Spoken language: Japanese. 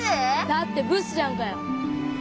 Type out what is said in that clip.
だってブスじゃんかよ。